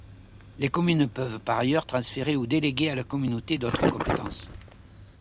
Les communes peuvent, par ailleurs, transférer ou déléguer à la communauté d'autres compétences.